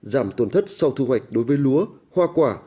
giảm tổn thất sau thu hoạch đối với lúa hoa quả